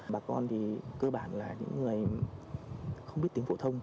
bà con thì cơ bản là những người không biết tiếng phổ thông